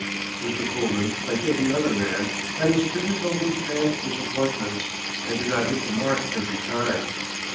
Mr. Pullman, like every other man, had his difficulties and disappointments, and did not hit the mark every time.